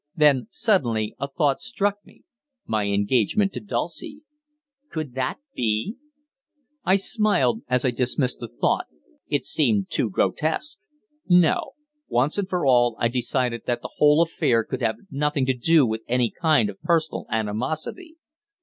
Then suddenly a thought struck me my engagement to Dulcie. Could that be I smiled as I dismissed the thought it seemed too grotesque. No; once and for all I decided that the whole affair could have nothing to do with any kind of personal animosity.